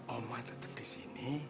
oma tetap di sini